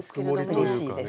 うれしいです。